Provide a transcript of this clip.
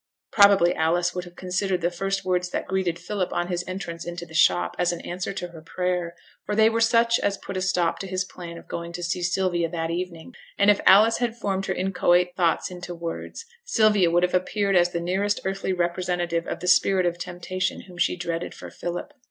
Probably Alice would have considered the first words that greeted Philip on his entrance into the shop as an answer to her prayer, for they were such as put a stop to his plan of going to see Sylvia that evening; and if Alice had formed her inchoate thoughts into words, Sylvia would have appeared as the nearest earthly representative of the spirit of temptation whom she dreaded for Philip.